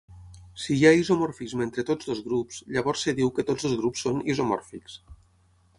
Si hi ha isomorfisme entre tots dos grups, llavors es diu que tots dos grups són isomòrfics.